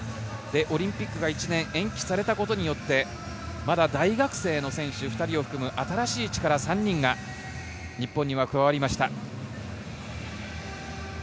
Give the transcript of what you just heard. オリンピックが１年延期されたことにより、まだ大学生の選手２人を含む新しい力３人が日本に加わりました。